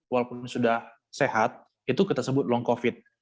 walaupun sudah sehat itu kita sebut long covid